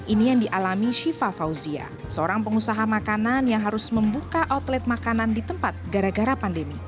ini yang dialami syifa fauzia seorang pengusaha makanan yang harus membuka outlet makanan di tempat gara gara pandemi